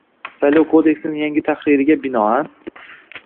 Saylov kodeksining yangi tahririga binoan